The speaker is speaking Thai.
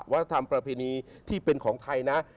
วัฒนธรรมประเพณีที่เป็นของไทยนะ